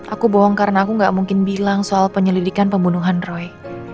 aku bohong karena aku gak mungkin bilang soal penyelidikan pembunuhan roy